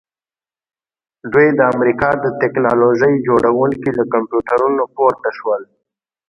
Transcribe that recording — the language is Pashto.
دوی د امریکا د ټیکنالوژۍ جوړونکي له کمپیوټرونو پورته شول